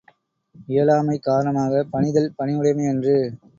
இயலாமை காரணமாகப் பணிதல் பணிவுடைமையன்று.